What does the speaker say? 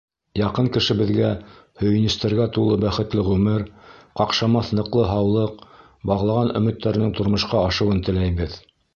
Яҡын кешебеҙгә һөйөнөстәргә тулы бәхетле ғүмер, ҡаҡшамаҫ ныҡлы һаулыҡ, бағлаған өмөттәренең тормошҡа ашыуын теләйбеҙ.